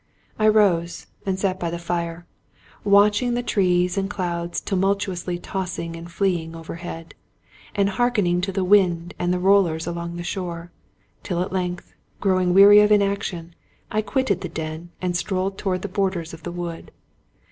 I rose and sat by the fire, watching the trees and clouds tumultuously tossing and fleeing overhead, and heark ening to the wind and the rollers along the shore; till at length, growing weary of inaction, I quitted the den, and strolled toward the borders of the wood.